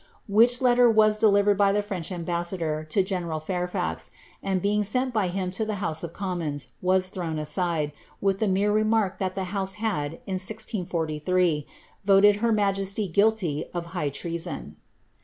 Which letter was delivered by the French am* general Fairfax, and being sent by him to the House of N^as thrown aside, with the mere remark that the house had, lad her majesty guilty of high treason.'